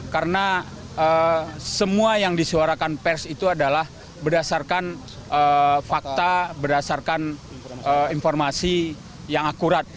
karena semua yang disuarakan pers itu adalah berdasarkan fakta berdasarkan informasi yang akurat